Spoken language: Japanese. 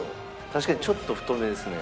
確かにちょっと太めですね。